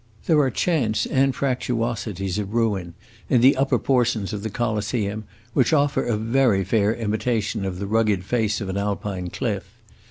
There are chance anfractuosities of ruin in the upper portions of the Coliseum which offer a very fair imitation of the rugged face of an Alpine cliff.